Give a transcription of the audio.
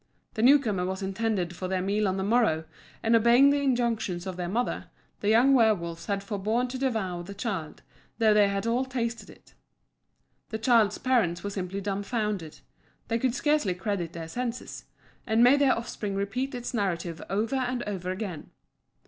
The newcomer was intended for their meal on the morrow, and obeying the injunctions of their mother, the young werwolves had forborne to devour the child, though they had all tasted it. The child's parents were simply dumbfounded they could scarcely credit their senses and made their offspring repeat its narrative over and over again.